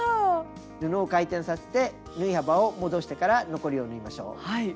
布を回転させて縫い幅を戻してから残りを縫いましょう。